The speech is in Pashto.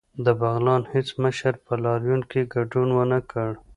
د بغلان هیڅ مشر په لاریون کې ګډون ونکړ